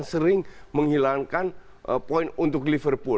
sering menghilangkan poin untuk liverpool